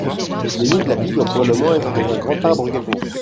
Le nid de la pie doit probablement être dans un grand arbre quelconque.